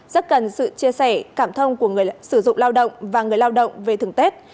rất cần sự chia sẻ cảm thông của người sử dụng lao động và người lao động về thưởng tết